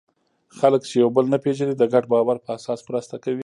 خلک چې یو بل نه پېژني، د ګډ باور په اساس مرسته کوي.